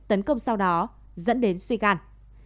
tấn công sau đó dẫn đến suy gan